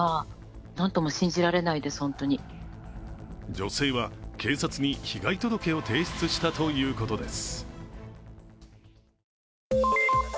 女性は警察に被害届を提出したということです。